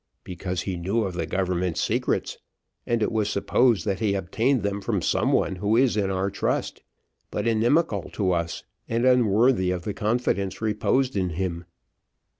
Because he knew of the government secrets, and it was supposed he obtained them from some one who is in our trust, but inimical to us and unworthy of the confidence reposed in him.